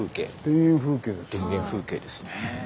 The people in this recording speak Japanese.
田園風景ですよね。